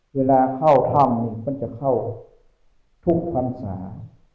เวลาเข้าธรรมนี่มันจะเข้าทุกความสามารถ